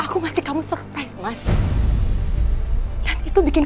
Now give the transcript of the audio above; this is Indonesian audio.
pokoknya kalau misalnya kamu pusing